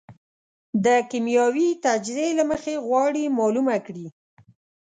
د کېمیاوي تجزیې له مخې غواړي معلومه کړي.